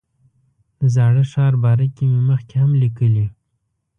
د زاړه ښار باره کې مې مخکې هم لیکلي.